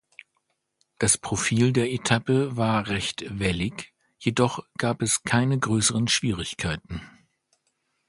Das Profil der Etappe war recht wellig, jedoch gab es keine größere Schwierigkeiten.